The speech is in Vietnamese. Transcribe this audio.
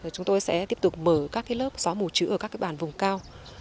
chúng tôi sẽ tiếp tục mở các lớp xóa mù chữ ở các bàn vùng cao